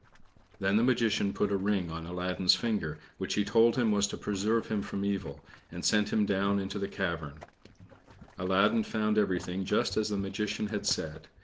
Then the Magician put a ring on Aladdin's finger, which he told him was to preserve him from evil, and sent him down into the cavern. Aladdin found everything just as the Magician had said.